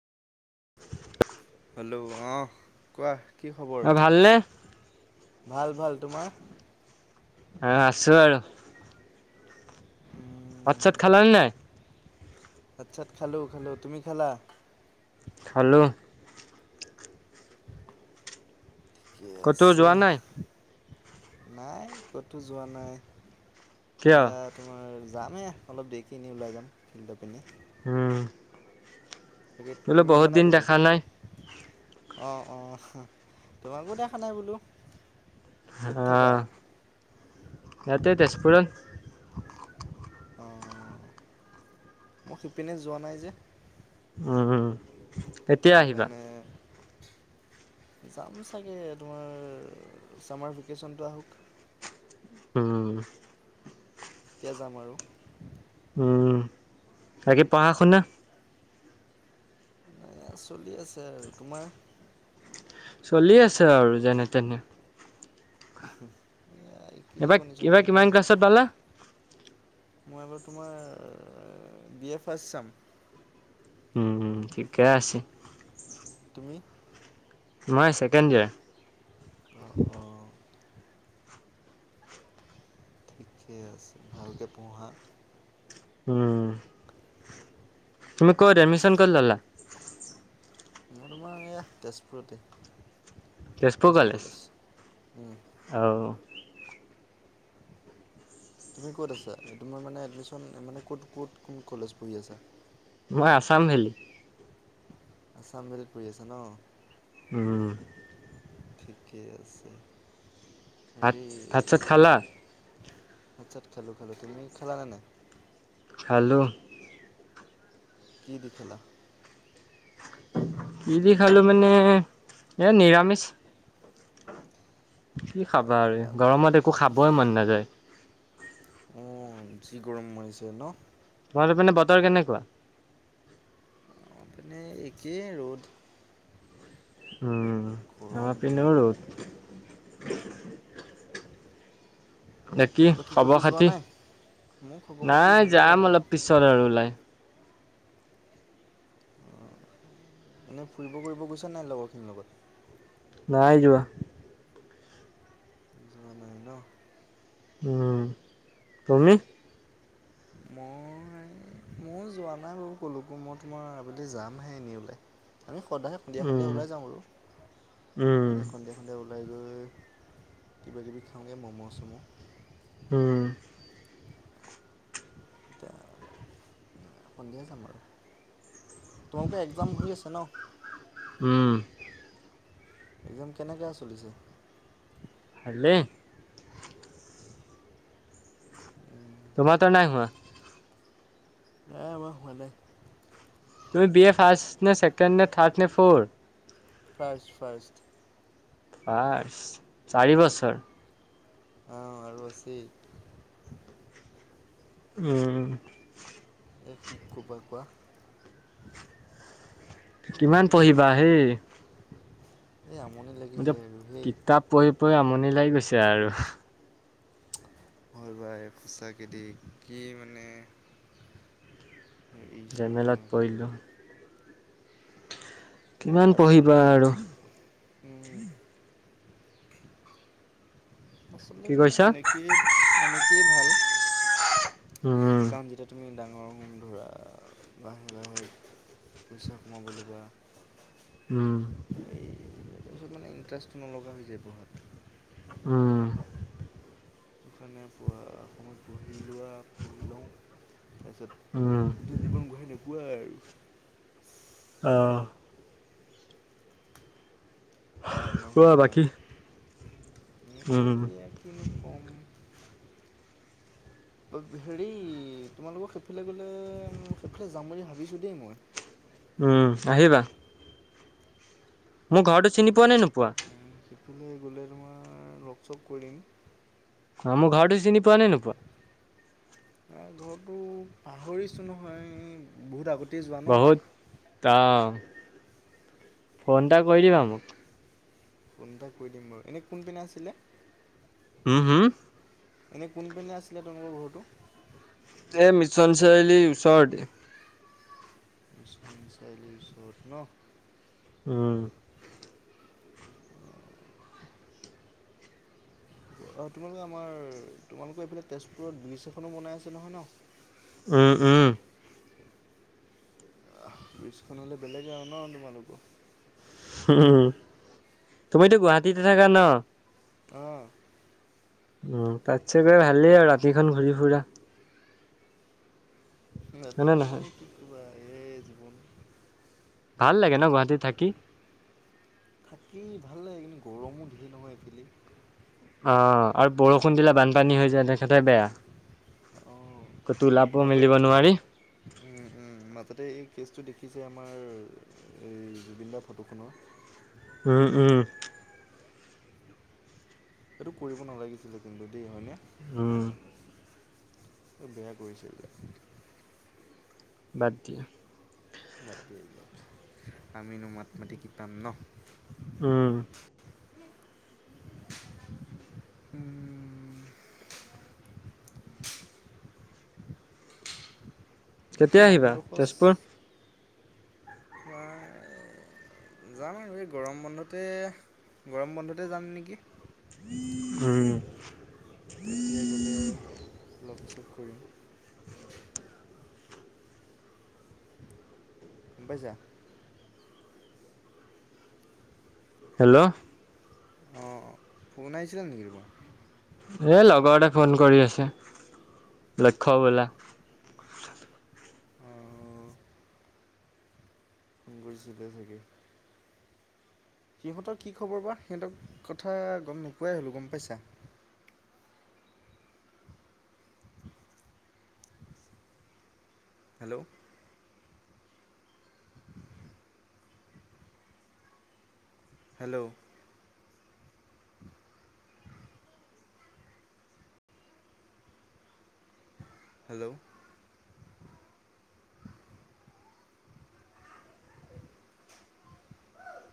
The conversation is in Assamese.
হেল্ল', অ', কোৱা। কি খবৰ অ', ভালনে? ভাল ভাল, তোমাৰ? আহ আচো আৰু। উম, অচছাত খাল নে নাই ভাত চাত খালো খালো তুমি খালা খালো। ঠিকে কতো আছে যোৱা নাই। নাই ক'তো যোৱা নাই কিয় এ তোমাৰ। যামেই অলপ দেৰিকিনি ওলাই যাম ফিল্ডত পিনি হম। তাকে তুমি যোৱা নাই ক'তো। নাই অ', অ' তোমাকো দেখা নাই বোলো। ক'ত থাকা আহ ইয়াতে তেজপুৰত অ' মই শিপিনে যোৱা নাই যে। উম। কেতিয়া টো আহিবা কাৰানে। [unintelligible] যাম চাগে তোমাৰ ছামাৰ ভেকেশ্যনটো আহক। উম। তেতিয়া যাম আৰু। উম আৰু বাকি পাহাখোনা। ন চলি আছে আৰু তোমাৰ। চলি আছে আৰু যেনে তেনে। উম। এবাৰ এইবাৰ কিমান ক্লাছত পালা। মই এবাৰ তোমাৰ বি এ ফাৰ্চ চেম। উম ঠিকে আছে। তুমি মই চেকেণ্ড ইয়াৰ অঁ অঁ ঠিকে আছে ভালকে পঢ়া। উম। তুমি কৰ' এডমিশন কৰিলা? মোৰ তোমাৰ এইয়া তেজপুৰতে। তেজপুৰ কলেজ উম, অ'। তুমি ক'ত আছা তোমাৰ মানে এডমিশন মানে ক'ত ক'ত কোন কলেজ পঢ়ি আছা? মই আছাম ভেলি। আচাম ভেলিত পঢ়ি আছা ন। উম, ঠিকেই আছে। ভাত ভাতছাত খালা? ভাতছাত খেলোঁ খেলোঁ তুমি খালা নে নাই? খালু। কি দি খালা? কি দি খালো মানে এ নিৰামিষ। কি খাবা আৰু গৰমত একো খাবই মন নাযায়। অ' যি গৰম সোমাইছে ন। তোমাৰ সিপিনে বতৰ কেনেকুৱা? মানে একেই ৰ'দ। উম গৰম আমাৰ পূৰা পিনেও ৰ'দ। ন কি বাকী খব ক'তো যোৱা খাতি নাই? মোৰ খবৰ খাতি নাই ভালেই যাম আৰু। অলপ পিছৰ আৰু ওলাই। মানই ফুৰিব কৰিব গৈছা নাই লগৰখিনিৰ লগত। নাই আহ যোৱা। যোৱা নাই ন? উম তুমি। মই ময়ো যোৱা নাই বাৰু ক'লো মই তোমাৰ আবেলি যামহে এনেই ওলাই। আমি সদায়ে সন্ধিয়া সন্ধিয়া উম ওলাই যাওঁ আৰু উম মই সন্ধিয়া সন্ধিয়া ওলাই উম, কিবাকিবি খাওঁগৈ ম'ম' চ'ম'। হুম, এতিয়া [inaudible] সন্ধিয়া যাম আৰু তোমালোকে একজাম হৈ আছে ন? উম, একজাম কেনেকা চলিছে? ভালেই। তোমাতৰ নাই হোৱা? নাই আমাৰ হোৱা নাই। তুমি বি এ ফাৰ্ষ, নে চেকেণ্ড, নে থাৰ্ড, নে ফ'ৰ? First first. ফাৰ্ষ, চাৰি বছৰ। অ', আৰু আছে। উম, এই কি ক'বা কোৱা? মই কিমান বি এটো পঢ়িবা নপঢ়োঁ। সেই? এই আমনি লাগি যায় আৰু হেই। কিতাপ পঢ়ি পঢ়ি আমনি লাগি গৈছে আৰু। হয়, ভাইব সঁচাকৈ দেই কি মানে। এৰিছে নহয় জেমেলাত পৰিলোঁ। নাই কিমান আচলতে পঢ়িবা এনে আৰু উম, আচলতে কি তোমাৰ কৈছা এনেকেই এনেকেইয়ে ভাল। উম কাৰণ যেতিয়া তুমি ডাঙ ডাঙৰ গণ ধৰা লাহে লাহে পইচা কমাবলৈ লবা। হুম, তাৰপিছত মানে ইণ্টাৰেষ্টটো নলগা হৈ যায় পঢ়াত। উম, [unintelligible] অসমত পঢ়ি লোৱা পঢ়ি লওঁ তাৰপিছত উম এইটো জীৱন ঘূৰাই নোপোৱা আৰু। অ', ডাঙৰ কোৱা হবা বাকী এনেই এইবিলাক উম কি আৰু কিনো কম। [inaudible] হেৰি তোমালোকৰ সেইফালে গ'লে সেইফালে যাম বুলি ভাবিছোঁ দেই মই। উম, আহিবা। মোৰ ঘৰটো চিনি পোৱা নে নোপোৱা? ইফালে গ'লে তোমাৰ লগক চপ কৰিম। অ' মোৰ ঘৰটো চিনি পোৱা নাই নোপুৱোৱা। ঘৰটো পাহৰিছো নহয় বহুত আগতে বহুত অ' ফোনটা কৰি দিবা মোক। ফোন এটা কৈ দিম বাৰু, এনে কোনপিনানে আছিলে। উম, হম। এনেই কোনপিনে আছিলে তোমালোকৰ ঘৰটো এই মিছন চাৰিআলীৰ ওচৰতে। মিছন চাৰিআলিৰ ওচৰত নহঁ। উম, তোমালোকে আমাৰ তোমালোকৰ এইফালে তেজপুৰত ব্ৰীজ এখনো বনাই আছে নহয় ন? উম, উম, আহ, ব্ৰিজখন হ'লে বেলেগ আৰু ন তোমালোকো? উম, তুমিতো গুৱাহাটীতে থাকা ন? আহ উম, তাত ছাগৈ ভালেই আৰু ৰাতিখন ঘূৰি ফুৰা। ৰাতি হয়নে শোন নহয় মানে কি কবা এই জীৱন ভাল লাগে ন গুৱাহাটীত থাকি। থাকি ভাল লাগে কিন্তু গৰমো ধেৰ নহয় এইফিলি অ' আৰু বৰষুণ দিলে বানপানী হৈ যায় তেখেতে বেয়া। অ' ক'তো ওলাব মাজ মেলিব নোৱাৰি উম উম মাজতে কেচটো দেখিছে আমাৰ এই জুবিন দা ফটোখনৰ উম, উম। এইটো কৰিব নালাগিছিলে কিন্তু দেই হয়নে। উম। বেয়া কৰিছে এতিয়া বাদ দিয়া বাকি আমিনো মাত মাতি কি পাম ন। উম উম। বাকী কেতিয়া আহিবা মানুহডোখৰ তেজপুৰ তোমাৰ যাম আৰু এই গৰম বন্ধতে গৰম বন্ধতে যাম নেকি? উম। তেতিয়া গ'লে লগ চপ কৰিম। গ'ম পাইছা। হেল্ল' অ' ফোন আহছিলে নেকি তোমাৰ এই লগৰতে ফোন কৰি আছে, লক্ষ্য বোলা। আহ ফোন কৰি চিলে চাগে সিহঁতৰ কি খবৰ বা সিহঁতৰ কথা গ'ম নোপোৱাই হ'লো গ'ম পাইছা। [unintelligible] Hello hello hello [inaudible]